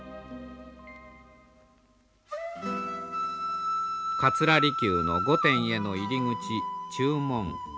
桂離宮の御殿への入り口中門。